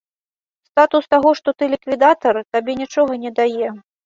Статус таго, што ты ліквідатар, табе нічога не дае.